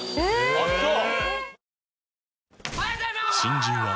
あっそう？